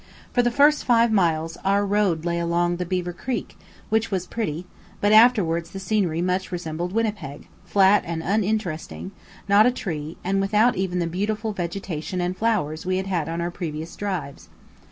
For the first five miles our road lay along the Beaver Creek, which was pretty; but afterwards the scenery much resembled Winnipeg, flat and uninteresting, not a tree, and without even the beautiful vegetation and flowers we had had on our previous drives.